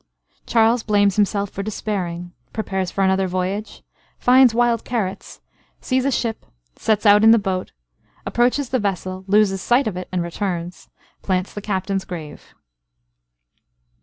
Charles blames himself for despairing—Prepares for another Voyage—Finds wild Carrots—Sees a Ship—Sets out in the Boat—Approaches the Vessel—Loses sight of it, and returns—Plants the Captain's Grave.